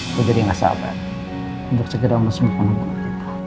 aku jadi gak sabar untuk segera masuk ke rumah kita